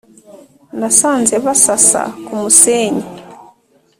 nasanze basasa ku musenyi